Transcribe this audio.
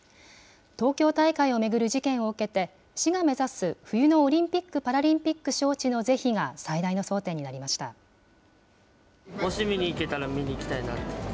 東京大会を巡る事件を受けて、市が目指す冬のオリンピック・パラリンピック招致の是非が、最大もし見に行けたら、行きたいなって。